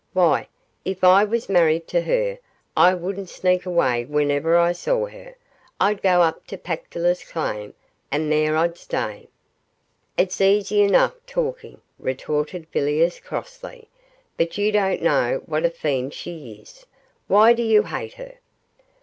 Why, if I was married to her I wouldn't sneak away whenever I saw her. I'd go up to the Pactolus claim and there I'd stay.' 'It's easy enough talking,' retorted Villiers crossly, 'but you don't know what a fiend she is! Why do you hate her?